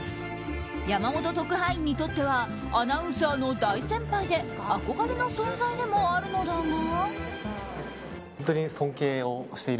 山本特派員にとってはアナウンサーの大先輩で憧れの存在でもあるのだが。